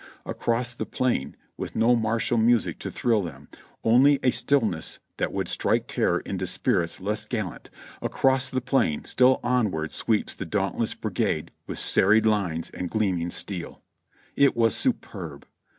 Across the plain, with no martial music to thrill them, only a stillness that would strike terror into spirits less gallant — across the plain still onward sweeps the dauntless bri gade with serried lines and gleaming steel. It was superb